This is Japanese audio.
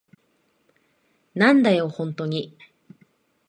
なんだよ、ホントに。